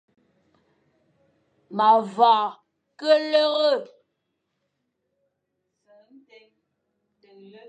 Me vagha ke lere.